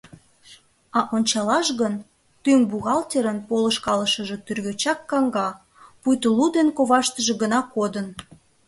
А ончалаш гын, тӱҥ бухгалтерын полышкалышыже тӱргочат каҥга, пуйто лу ден коваштыже гына кодын.